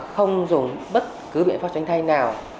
không dùng bất cứ biện pháp tránh thay nào